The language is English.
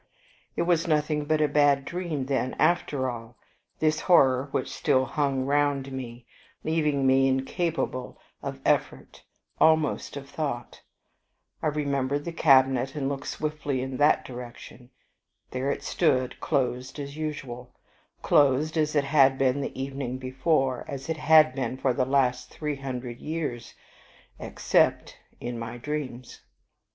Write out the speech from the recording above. It was nothing but a bad dream then, after all, this horror which still hung round me, leaving me incapable of effort, almost of thought. I remembered the cabinet, and looked swiftly in that direction. There it stood, closed as usual, closed as it had been the evening before, as it had been for the last three hundred years, except in my dreams.